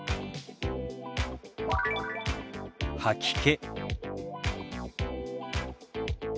「吐き気」。